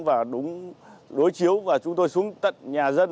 và đúng đối chiếu và chúng tôi xuống tận nhà dân